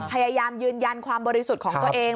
พยายามยืนยันความบริสุทธิ์ของตัวเอง